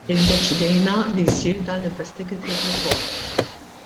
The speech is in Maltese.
Iddeċidejna li jsir dan l-investigative report.